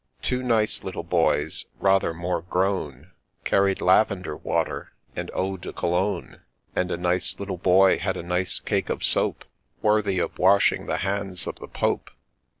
Two nice little boys, rather more grown, Carried lavender water, and eau de Cologne ; And a nice little boy had a nice cake of soap, Worthy of washing the hands of the Pope.